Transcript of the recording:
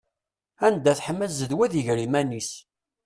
Anda teḥma zzedwa ad iger iman-is.